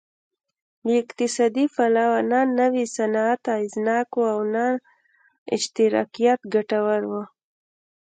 له اقتصادي پلوه نه نوی صنعت اغېزناک و او نه اشتراکیت ګټور و